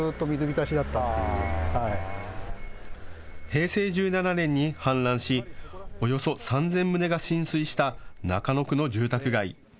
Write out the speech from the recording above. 平成１７年に氾濫しおよそ３０００棟が浸水した中野区の住宅街。